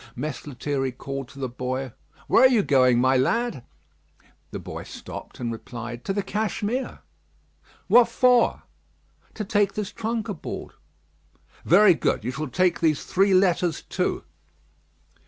Mess Lethierry called to the boy: "Where are you going, my lad?" The boy stopped, and replied: "To the Cashmere." "What for?" "To take this trunk aboard." "Very good; you shall take these three letters too."